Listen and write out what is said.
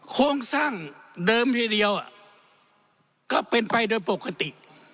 โครงสร้างเดิมทีเดียวก็เป็นไปโดยปกติ